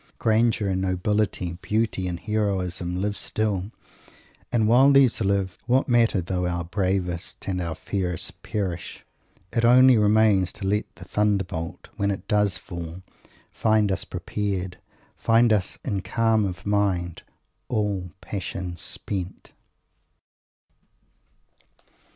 Grandeur and nobility, beauty and heroism, live still; and while these live, what matter though our bravest and our fairest perish? It only remains to let the thunderbolt, when it does fall, find us prepared; find us in calm of mind, "all passion spent."